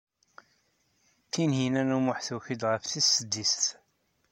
Tinhinan u Muḥ tuki-d ɣef tis sḍiset.